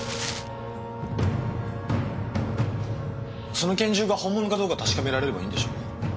その拳銃が本物かどうか確かめられればいいんでしょ？